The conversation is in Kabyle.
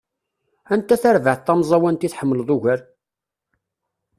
Anta tarbaεt tamẓawant i tḥemmleḍ ugar?